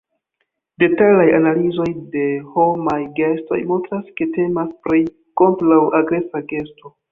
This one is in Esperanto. Detalaj analizoj de homaj gestoj montras ke temas pri "kontraŭ-agresa gesto".